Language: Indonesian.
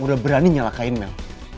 udah berani nyelakain mel